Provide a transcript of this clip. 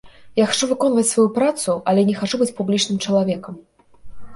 Я хачу выконваць сваю працу, але не хачу быць публічным чалавекам.